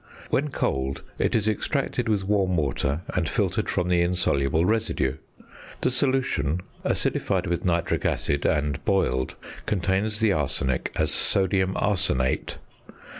When cold, it is extracted with warm water, and filtered from the insoluble residue. The solution, acidified with nitric acid and boiled, contains the arsenic as sodium arsenate.